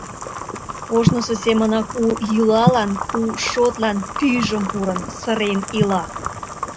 Ожнысо семынак у йӱлалан, у шотлан пӱйжым пурын, сырен ила.